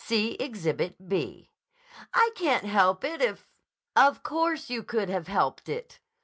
See Exhibit B." "I can't help it if—" "Of course you could have helped it!